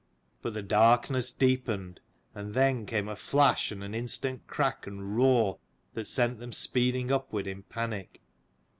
But the darkness deepened, and then came a flash and an instant crack and roar that sent them speeding upward in panic.